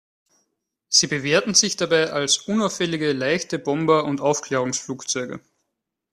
Sie bewährten sich dabei als unauffällige leichte Bomber und Aufklärungsflugzeuge.